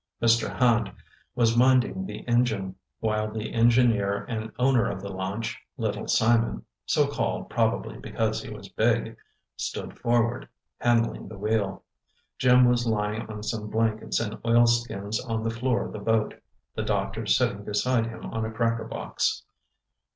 Mr. Hand was minding the engine, while the engineer and owner of the launch, Little Simon so called probably because he was big stood forward, handling the wheel. Jim was lying on some blankets and oilskins on the floor of the boat, the doctor sitting beside him on a cracker box.